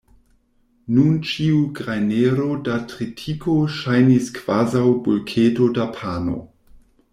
Nun ĉiu grajnero da tritiko ŝajnis kvazaŭ bulketo da pano.